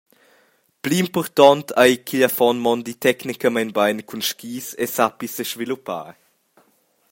Pli impurtont ei ch’igl affon mondi tecnicamein bein cun skis e sappi sesviluppar.